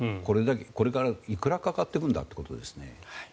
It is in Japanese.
これからいくらかかっていくんだということですね。